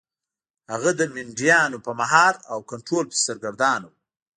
هغه د مینډیانو په مهار او کنټرول پسې سرګردانه و.